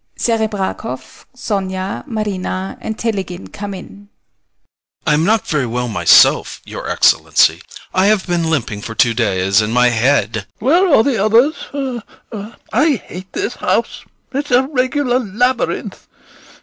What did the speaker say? SEREBRAKOFF, SONIA, MARINA, and TELEGIN come in. TELEGIN. I am not very well myself, your Excellency. I have been limping for two days, and my head SEREBRAKOFF. Where are the others? I hate this house. It is a regular labyrinth.